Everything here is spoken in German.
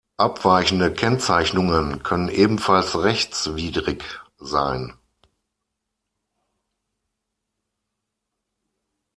Abweichende Kennzeichnungen können ebenfalls rechtswidrig sein.